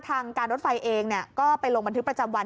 ทางการรถไฟเองก็ไปลงบันทึกประจำวัน